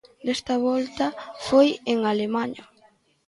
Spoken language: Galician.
Desta volta foi en Alemaña.